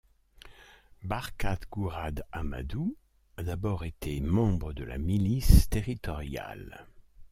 Barkat Gourad Hamadou a d'abord été membre de la milice territoriale.